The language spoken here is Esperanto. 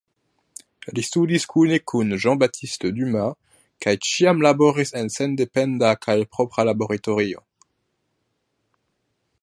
Li studis kune kun Jean-Baptiste Dumas kaj ĉiam laboris en sendependa kaj propra laboratorio.